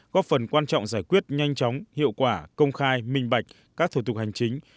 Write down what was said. góp phần quan trọng giải quyết nhanh chóng hiệu quả công khai minh bạch các thủ tục hành chính